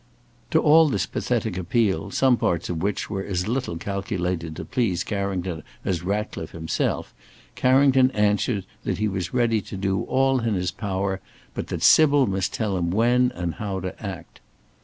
To all this pathetic appeal, some parts of which were as little calculated to please Carrington as Ratcliffe himself, Carrington answered that he was ready to do all in his power but that Sybil must tell him when and how to act.